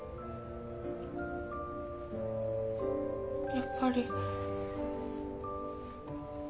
やっぱり。